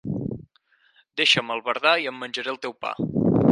Deixa'm, albardà, i em menjaré el teu pa.